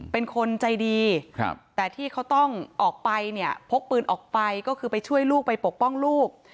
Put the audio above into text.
เป็นคนใจดีแต่ที่เขาต้องออกไปเนี่ยพกปืนออกไปก็คือไปช่วยลูกไปปกป้องลูก